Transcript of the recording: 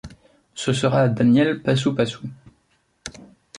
Ce sera Daniel Pasupasu.